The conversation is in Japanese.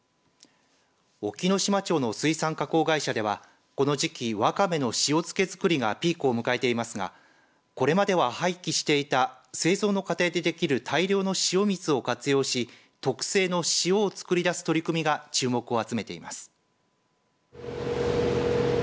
隠岐の島町の水産加工会社では、この時期わかめの塩漬け作りがピークを迎えていますがこれまでは廃棄していた製造の過程で出来る大量の塩水を活用し特製の塩を作り出す取り組みが注目を集めています。